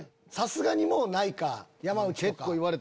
さすがにもうないか山内とか。